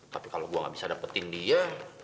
tapi kalau aku tidak bisa mendapatkan dia